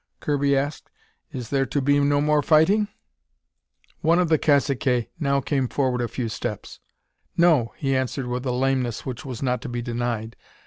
Kirby asked. "There is to be no more fighting?" One of the caciques now came forward a few steps. "No," he answered with a lameness which was not to be denied.